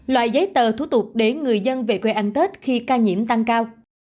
loại giấy tờ thủ tục để người dân về quê ăn tết khi ca nhiễm tăng cao